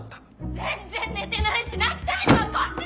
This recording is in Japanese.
全然寝てないし泣きたいのはこっちの方よ！